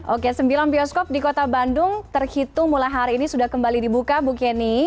oke sembilan bioskop di kota bandung terhitung mulai hari ini sudah kembali dibuka bu kenny